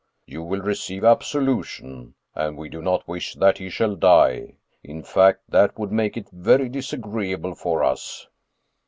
" You will receive absolution. And we do not wish that he shall die ; in fact, that would make it very disagreeable for us."